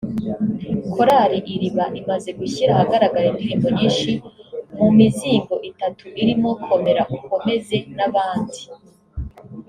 Korali Iriba imaze gushyira ahagaragara indirimbo nyinshi ku mizingo itatu irimo Komera ukomeze n’abandi